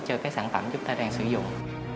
cho cái sản phẩm chúng ta đang sử dụng